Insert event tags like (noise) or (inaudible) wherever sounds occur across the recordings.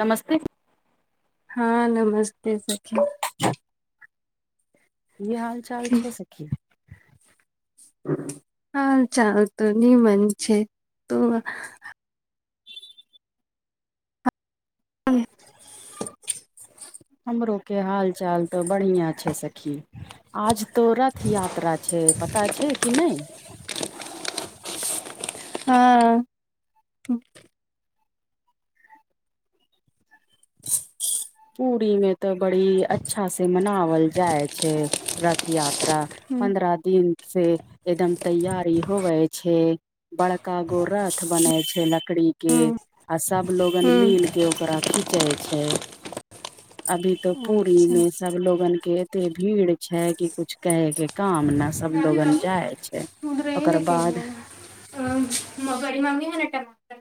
नमस्ते हँ नमस्ते सखी की हाल चाल की छै सखी। हाल चाल तऽ नीमन छै तोहर (inaudible) हमरो के हाल चाल तऽ बढ़ियाँ छै सखी आज तो रथ यात्रा छै पता छै कि नय हँ (inaudible) पूरी मे तऽ बड़ी अच्छा से मनावल जाय छै रथ यात्रा पन्द्रह दिन से एकदम तैयारी होवै छै। बड़का गो रथ बनै छै लकड़ी के आ सब लोगन मिल के ओकरा खीचै छै। अभी तो पूरी अच्छा मे सब लोगन के एत एते भीड़ छै कि कुछ कहे के काम न सब लोगन जाय छै। (unintelligible) बड़ी ओकर बाद मम्मी है ने टमाटर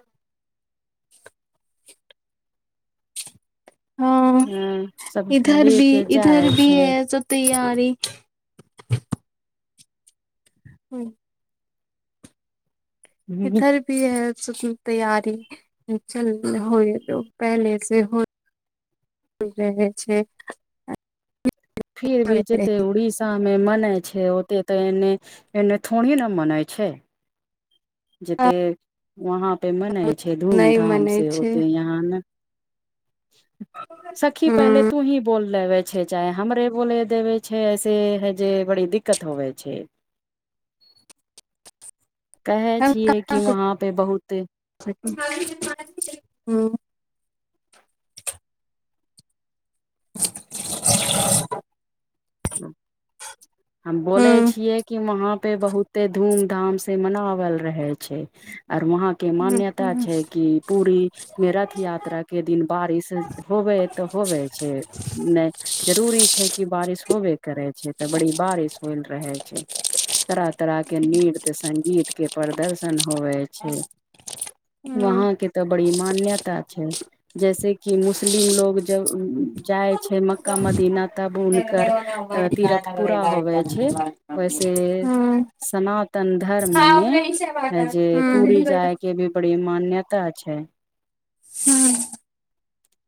हँ अ सब इधर ले भी के इधर जाइ भी छै एसो तैयारी हुँ (inaudible) इधर भी है सब तैयारी चल होइ जैतौ पहले से हो रहै छै। फिर भी जेते उड़ीस सामे मनै छै ओत तऽ एने एने थोर ही न मनै छै। जेते वहाँ पे मनै छै धूम नहि धाम मनै से छै होते यहाँ आन सखी हँ पहले तू ही बोल लेबे छै चाहे हमरे बोले देवे छै ऐसे है जे बड़ी दिक्कत होवै छै। कहै छियै कि वहाँ पे बहुते। (unintelligible) हँ हम बोले ह छियै कि वहाँ पे बहुत ते धूम धाम से मनावल रहै छै आओर वहाँ के मान्यता ह छै की पूरी मे रथ यात्रा के दिन बारिश होबै तऽ होबै छै नय जरूरी छै कि बारिश होबे करै छै तऽ बड़ी बारिश होइल रहै छै। तरह तरह के नृत्य संगीत के प्रदर्शन दर्शन होवे छै वहाँ के तऽ बड़ी मान्यता छै जैसे कि मुस्लिम लोग जब जाय छै मक्का ह मदीना तब उन जेलबैना बारिश आय तीर्थ लगलै पूरा होवै गाड़ी छै बारिश वैसे हूँ सना तन धर्म मे जे पूरी हूँ जाय के भी बड़ी मान्यता छै। हुँ (inaudible)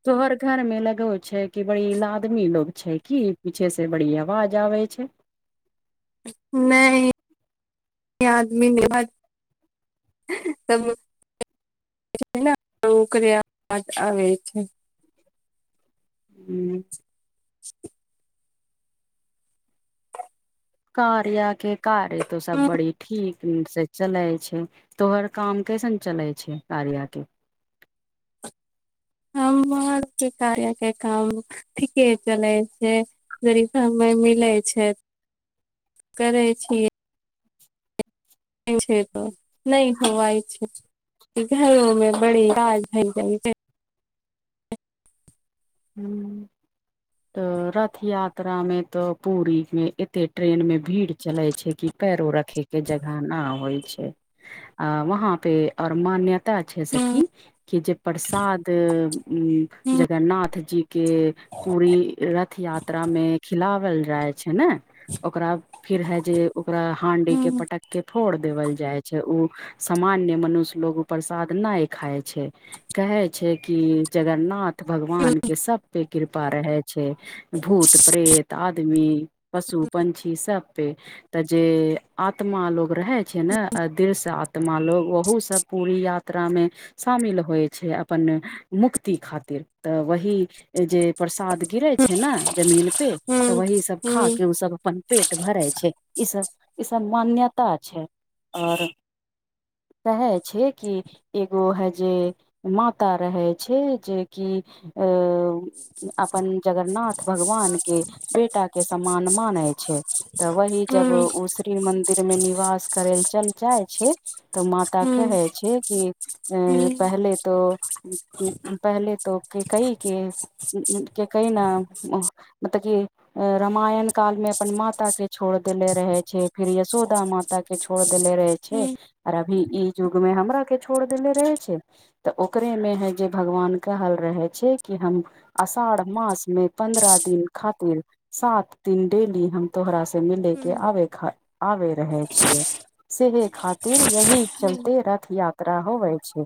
तोहर घर मे लगो छै कि बड़ी लादमी लोग छै की पीछे से बड़ी अवाज आबै छै। नय आदमी नय (inaudible) ओ ओकरे आ (unintelligible) आबै छै। हूँ कारया के कार्य तो सब बड़ी ठीक से चलै छै तोहर काम कैसन चलै छै कार्या के हमर के कार्या के काम ठीके चले छै जरी समय मिलै छै करै छिये नहि होवइ छै घरो मे बड़ी काज (unintelligible) भइ जाइ छै हूँ त रथ यात्रा मे तऽ पूरी मे एते ट्रेन मे भीड़ चले छै क पैरो रखे के जगह न होइ छै अ वहाँ पे आऔर मान्यता छै हूँ सखी कि जे प्रसाद हूँ जगन्नाथ ' रथ जी के पूरी रथ यात्रा मे खिलावल जाइ छै ने, ओकरा फिर है जे ओकरा हांडी के पटक के फोड़ देवल जाय छै ऊ सामान्य मनुष्य लोग ऊ प्रसाद नहि खाय छै कहै छै कि जगन्नाथ हूँ भगवान के सब पे कृपा रहै छै भूत प्रेत आदमी पशु पंक्षी सब पे तऽ जे आत्मा लोग रहे छै ने दिल से आत्मा लोग ओहसँ पूरी यात्रा यात्रामे शामिल होइ छै अपन मुक्ति खातिर तऽ व ही जे प्रसाद गिरे छै ने जमीन पर पे तऽ हूँ वहि सब खा हूँ के ओ सब अपन पेट भरै छै ई सब ई सब मान्यता छै आओर कहै छै कि एगो हे जे माता रहै छै जेकि अपन जगरनाथ भगवान के बेटा के सम्मान माने छै तऽ वही जब हूँ ओ श्री मंन्दिर मे निवास करै लए चल जाइ छै तऽ माता हूँ कहै छै कि अ हूँ पहले त पहले त केकई के के (unintelligible) कहि न मतब की रामायण काल में अपन माता के छोड़ देेले रहे छै फिर यशोदा माता ता के छोड़ देेले रहे छै हूँ आर अभी ई युग मे हमरा के छोड़ देेले रहे छै तऽ ओकरेमे है जे भगवान कहल रहै छै कि हम अषाढ़ मास मे पन्द्रह दिन खातिर सात दिन डेली हम तोहरा से मिले के हँ आबे खा आबे रहे छियै सेहे खातिर यहि तऽ चलते रथ यात्रा होवे छै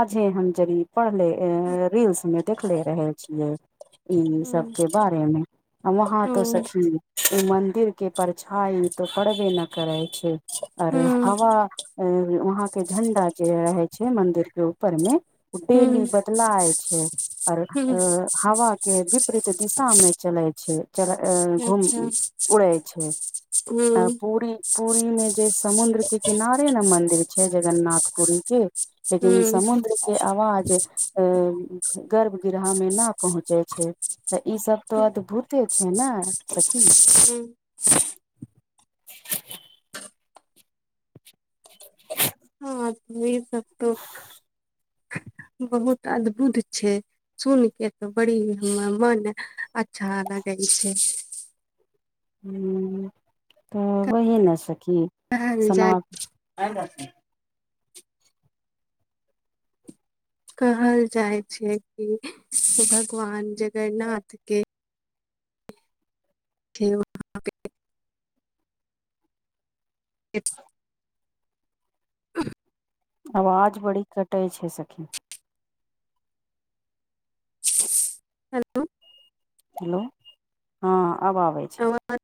आजे हम जद पढ़ले अ रील्स मे देखले रहे छियै इ ई सब के बारे मे ' आ वहा तो सखी ओ मंदिर के परछाई तो परबे न करै छै। आर आ वा वहां के झंडा जे रहे छै मंदिर के ऊपर मे डेली बदलाय छै आर अ हवा के विपरीत दिशा मे चले छै चल अ घुम उड़े छै अ पूरी ' पुरी मे जे समुद्र के किनारे ने मंदिर छै जगन्नाथ पुरी के लेकिन समुद्र के आवाज अ गर्भ गिरह मे न पहुँचे छै तऽ ई सब तो अद्भुते छै ने सखी (unintelligible) हँ ई सब (unintelligible) बहुत अद्भुत छै। सुन के तऽ बड़ी मन अच्छा लगै छै हुँ तऽ वही ने सखी अ ज सना (inaudible) कहल जाय छै कि भगवान जगरनाथ के (unintelligible) एपस (unintelligible) अ (unintelligible) आवाज बड़ी कटै छै सखी (unintelligible) हेलो हेलो हँ अब आबै छै (unintelligible) तव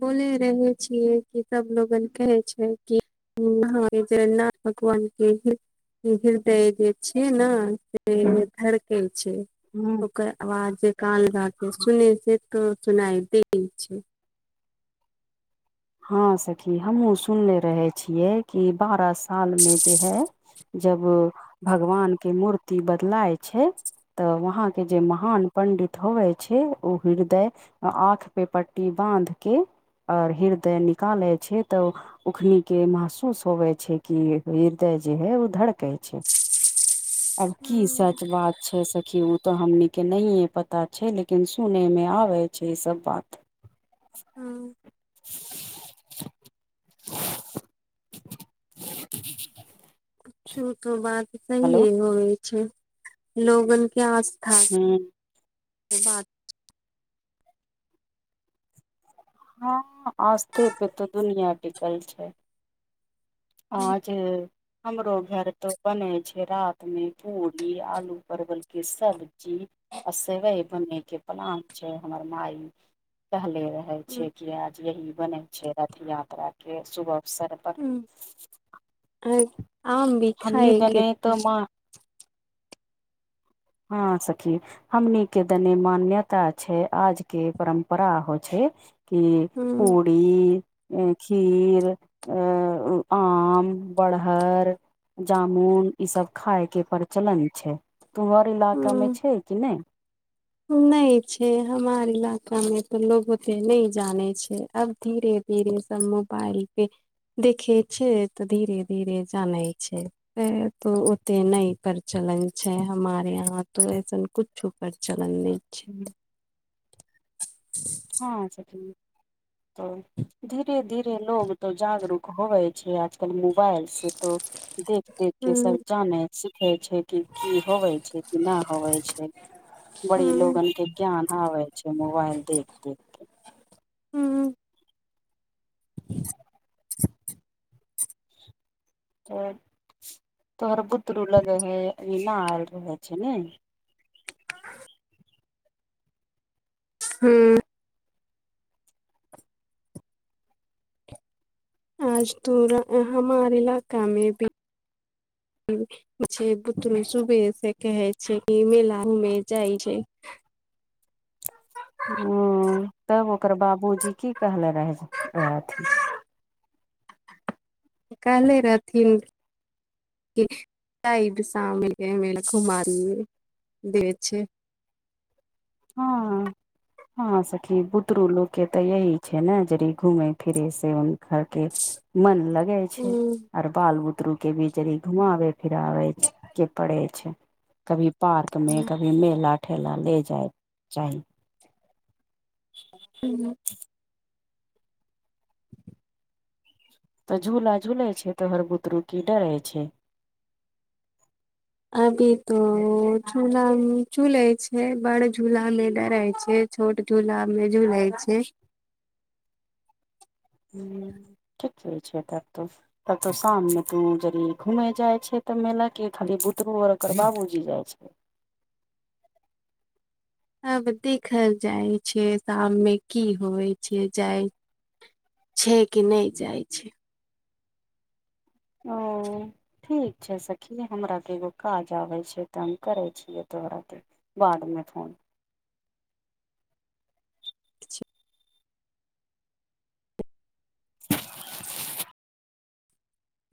बोले रहे छियै कि सब लोगन कहे छै ह हँ जेना (unintelligible) भगवानके ह हृदय जे छिये ने से धड़कै छै हूँ ओकर आवाज जे कान लाके सुन छै तो सुनाई दे छै। हँ सखी हमहूँ सुनले रहे छियै कि बारह साल मे जे है। जब भगवानके मूर्ति बदलाय छै तऽ वहां के जे महान पंडित होवे छै ऊ हृदय आँख पे पट्टी बाँध के आर हृदय निकालै छै तऽ उखन के महसूस होबे छै कि हृदय जे है ओ धड़कै छै, अब की सच बात छै सखी ऊ तऽ हमनिक के नहि पता छै लेकिन सुनय मे आबे छै ई सब बात हँ (inaudible) श त बात सहए हेलो होइ छै लोगन क आस्थाक हूँ बात (inaudible) हँ आस्थे पे तो दुनिया टिकल छै। आ जे हमरो घर तो बनेै छै रात मे पूरी आलू परवल के सब्जी। अ सेवे बने के पलान छै हमर माय हले रहे रहे छै हूँ कि आज यही बन छै रथ यात्रा के शुभ अवसर पर आम भी हमनी खायके दने तो माँ हँ सखी। हमनी के देने मान्यता छै आज के परम्परा हो छै के भर ह (unintelligible) पी खीर अ आम बड़हर जामुन ई सब खाय के प्रचलन छै उम्हर इलाका मे ह छै कि नहि नहि छै हमार इलाका मे तऽ लोग ओते नहि जाने छै अब धीरे धीरे धीरे सब मोबाइल पे देखे छै तऽ धीरे धीरे जाने छै तो ओते न प्रचलन छै हमारे यहाँ तो ऐसन कुछो पर चलन नहि छै, हू हँ सखी तो धीरे धीरे लोग तो जगरूक होवै छै आज कल मोबाइल से तो देख देख के हूँ सब जानै सिखे छै कि की होवै छै कि न होवै छै। बड़ी हूँ लोगनके ज्ञान आबै छै मोबाइल देख देख के हुँ (inaudible) तऽ तोहर बुतरू लगै इना आयल रहै छै ने। हुँ आज तु रा हमार इलाका मे भी छै बुत्रू शुभे से कहे छै कि मेला घूमे जाइ छै। ओ तब ओकर बाबूजी की कहले रहे रहथिन कहले रहथिन। (unintelligible) साम मिलके घुमालिये दे छै हँ हँ सखी बुदरु लोग के तऽ यही छै ने जरि घुमे फिरे से खर के मन लगै छै ह आर बाल बुतरु के भी जड़ी घुमाबे फिराबै के पड़ै छै कभी पार्कमे कभी मेला ठेला ले जाइक चाही हुँ (inaudible) तऽ झूला झूलै छै तहर बुतरु की डरै छै। अभी तो झूला चूलै छै बड़ झूला मे डरै छै। छोट झूला मे झूलै छै। हुँ ठीके छै तब तू तब तो शाम मे तू जरि घूमे जाइ छै तऽ मेला के खाली बुतरू आर ओकर बाबूजी जाइ छै आब देखल जाय छै शाम मे की होवै छै जाय छै की नय जाइ छै। ओ ठीक छै सखी हमराके एगो काज आबै छै तऽ हम करै छिय तोहरा के बाद मे फोन। (inaudible)